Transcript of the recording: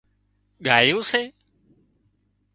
ڳايُون سي